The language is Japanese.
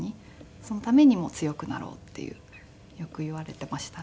そのためにも強くなろうっていうよく言われていましたね。